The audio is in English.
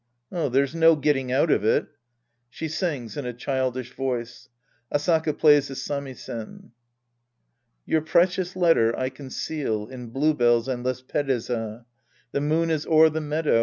There's no getting out of it. {She sings in a childish voice. AsPiS.x plays the samisen.) Your precious letter I conceal In bluebells and lespedeza ; The moon is o'er the meadow.